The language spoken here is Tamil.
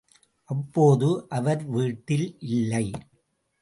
அப்போது அவர் வீட்டில் இல்லை.